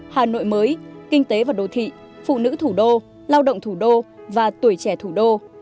hà nội mới kinh tế và đồ thị phụ nữ thủ đô lao động thủ đô và tuổi trẻ thủ đô